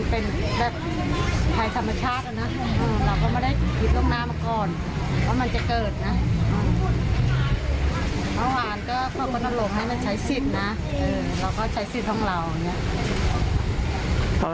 เพราะว่าเราอยู่ในหมู่นี้ใช่ไหม